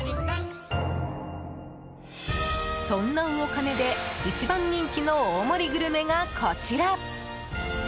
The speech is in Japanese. そんなウオカネで一番人気の大盛りグルメがこちら。